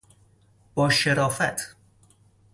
باشرافت